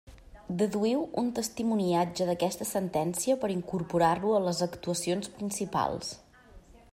Deduïu un testimoniatge d'aquesta sentència per incorporar-lo a les actuacions principals.